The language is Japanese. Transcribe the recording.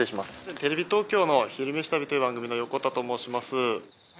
テレビ東京の「昼めし旅」という番組の横田と申します。